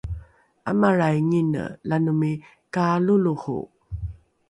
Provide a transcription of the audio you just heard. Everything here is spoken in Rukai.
’amalraingine lanomi kaaloloho